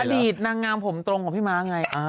อดีตนางงามผมตรงกับพี่ม้าไง